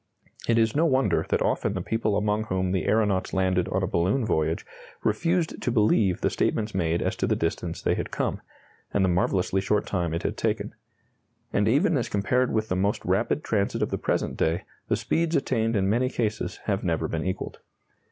It is no wonder that often the people among whom the aeronauts landed on a balloon voyage refused to believe the statements made as to the distance they had come, and the marvellously short time it had taken. And even as compared with the most rapid transit of the present day, the speeds attained in many cases have never been equalled.